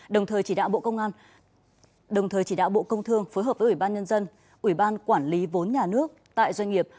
đồng thời chỉ đạo bộ công thương phối hợp với ủy ban nhân dân ủy ban quản lý vốn nhà nước tại doanh nghiệp